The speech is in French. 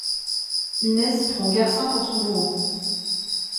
Inès prend Garcin pour son bourreau.